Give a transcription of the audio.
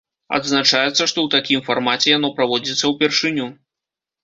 Адзначаецца, што ў такім фармаце яно праводзіцца ўпершыню.